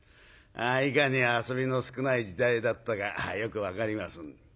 いかに遊びの少ない時代だったかよく分かります。